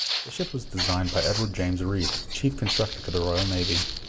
The ship was designed by Edward James Reed, Chief Constructor to the Royal Navy.